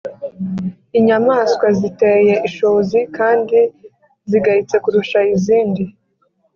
inyamaswa ziteye ishozi kandi zigayitse kurusha izindi,